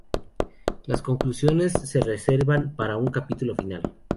Las conclusiones se reservan para un capítulo final.